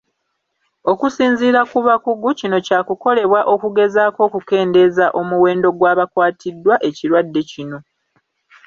Okusinziira ku bakugu, kino kyakukolebwa okugezaako okukendeeza omuwendo gw'abakwatibwa ekirwadde kino.